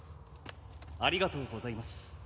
ありがとうございます。